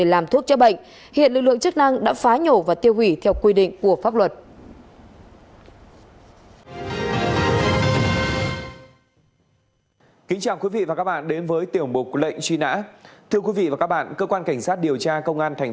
làm trong sạch địa bàn